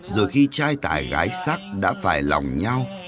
rồi khi trai tài gái sắc đã phải lòng nhau